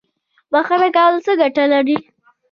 بخښنه کول څه ګټه لري؟